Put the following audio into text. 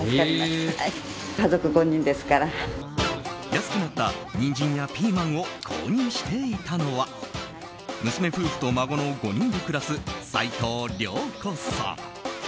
安くなったニンジンやピーマンを購入していたのは娘夫婦と孫の５人で暮らす齋藤良子さん。